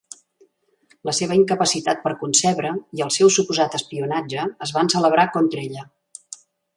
La seva incapacitat per concebre i el seu suposat espionatge es van celebrar contra ella.